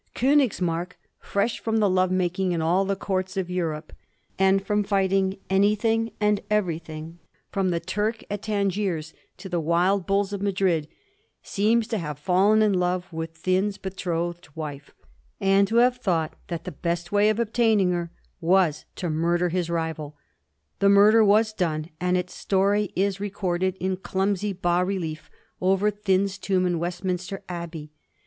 Konigsmark, fresh from love making in all the courts of Europe, and from fighting any thing and everything from the Turk at Tangiers to the wild buUs of Madrid, seems to have fallen in love with Thynne's betrothed wife, and to have thought that the best way of obtaining her was to murder his rival. The murder was done, and its story is recorded in clumsy bas relief over Thynne's tomb in Westminster Abbey.